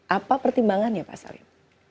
apa pertimbangannya pak salim